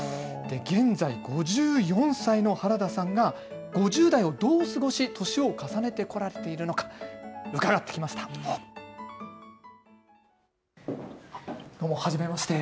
現在５４歳の原田さんが、５０代をどう過ごし、年を重ねてこられているのか伺ってきました。